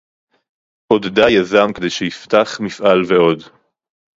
עודדה יזם כדי שיפתח מפעל ועוד